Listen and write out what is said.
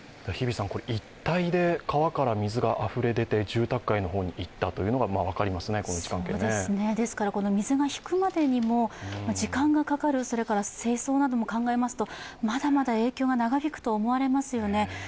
一帯で川から水があふれ出て住宅街の方に水がいったというのが分かります水が引くまでにも時間がかかる、それから清掃なども考えますと、まだまだ影響は長引くと思われますよね。